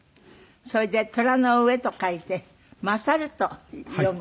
それで「虎の上」と書いて「まさる」と読む。